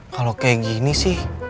kalau kayak gini sih